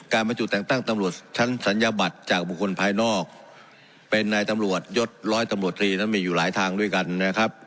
บรรจุแต่งตั้งตำรวจชั้นศัลยบัตรจากบุคคลภายนอกเป็นนายตำรวจยศร้อยตำรวจตรีนั้นมีอยู่หลายทางด้วยกันนะครับ